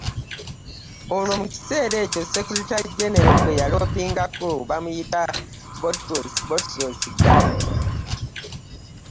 Olwo mu kiseera ekyo Secretary General gwe yaloobinga baamuyitanga Boutros Boutros-Ghali.